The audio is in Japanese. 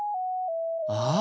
ああ！